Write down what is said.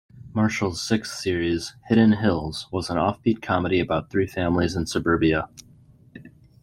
Marshall's sixth series, "Hidden Hills", was an offbeat comedy about three families in suburbia.